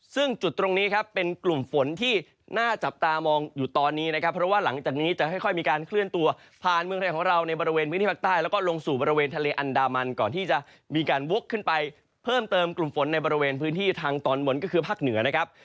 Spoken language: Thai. ซึ่งจุดตรงนี้ครับเป็นกลุ่มฝนที่น่าจับตามองอยู่ตอนนี้นะครับเพราะว่าหลังจากนี้จะค่อยมีการเคลื่อนตัวผ่านเมืองไทยของเราในบริเวณพื้นที่ภาคใต้แล้วก็ลงสู่บริเวณทะเลอันดามันก่อนที่จะมีการวกขึ้นไปเพิ่มเติมกลุ่มฝนในบริเวณพื้นที่ทางตอนบนก็คือภาคเหนือนะครับ